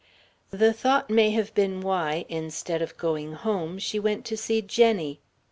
The thought may have been why, instead of going home, she went to see Jenny.